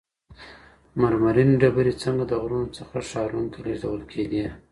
مرمرینې ډبرې څنګه د غرونو څخه ښارونو ته لېږدول کيدې؟